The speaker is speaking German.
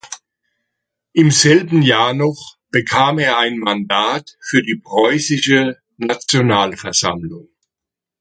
Im selben Jahr noch bekam er ein Mandat für die Preußische Nationalversammlung.